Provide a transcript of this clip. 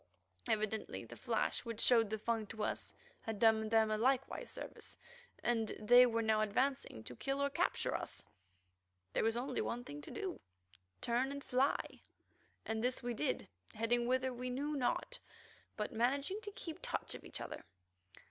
Evidently the flash which showed the Fung to us had done them a like service, and they were now advancing to kill or capture us. There was only one thing to do—turn and fly—and this we did, heading whither we knew not, but managing to keep touch of each other.